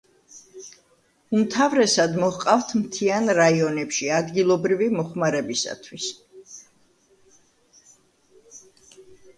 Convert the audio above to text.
უმთავრესად მოჰყავთ მთიან რაიონებში ადგილობრივი მოხმარებისათვის.